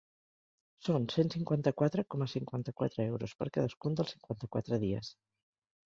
Són cent cinquanta-quatre coma cinquanta-quatre euros per cadascun dels cinquanta-quatre dies.